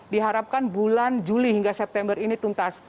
diharapkan bulan juli hingga september ini tuntas